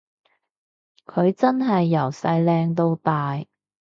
佢真係由細靚到大